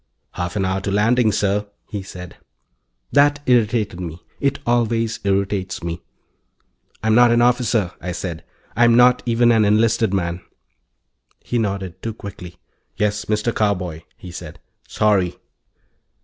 "Half an hour to landing, sir," he said. That irritated me. It always irritates me. "I'm not an officer," I said. "I'm not even an enlisted man." He nodded, too quickly. "Yes, Mr. Carboy," he said. "Sorry."